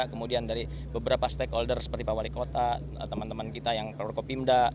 kemudian dari beberapa stakeholder seperti pak wali kota teman teman kita yang perluko pimda